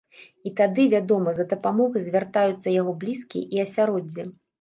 І тады, вядома, за дапамогай звяртаюцца яго блізкія і асяроддзе.